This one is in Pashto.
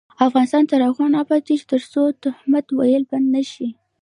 افغانستان تر هغو نه ابادیږي، ترڅو تهمت ویل بند نشي.